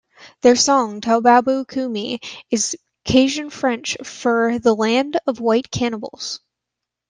Their song "Toubabo Koomi" is Cajun-French for the "Land of White Cannibals".